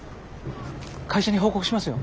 会社に報告しますよ。